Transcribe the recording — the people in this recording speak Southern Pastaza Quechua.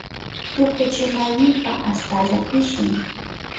Tukuchinaynipa astalla pishin.